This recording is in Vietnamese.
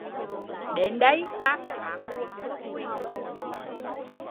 Đến đây ta phải bán buồn mua vui